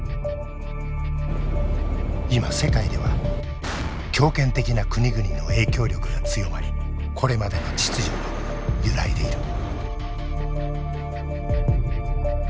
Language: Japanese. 今世界では強権的な国々の影響力が強まりこれまでの秩序が揺らいでいる。